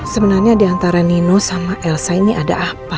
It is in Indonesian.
sebenarnya di antara nino sama elsa ini ada apa